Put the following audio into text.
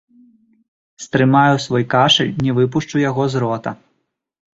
Стрымаю свой кашаль, не выпушчу яго з рота.